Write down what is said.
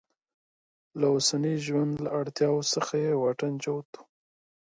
له اوسني ژوند له اړتیاوو څخه یې واټن جوت و.